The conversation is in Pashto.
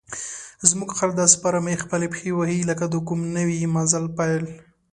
زموږ خر داسې په آرامۍ خپلې پښې وهي لکه د کوم نوي مزل پیل.